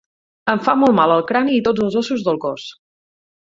Em fa molt mal el crani i tots els ossos del cos.